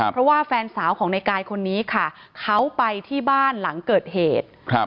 เพราะว่าแฟนสาวของในกายคนนี้ค่ะเขาไปที่บ้านหลังเกิดเหตุ